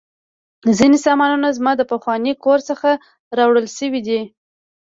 ځینې سامانونه زما د پخواني کور څخه راوړل شوي دي